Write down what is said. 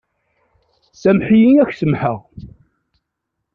Sameḥ-iyi, ad k-samḥeɣ.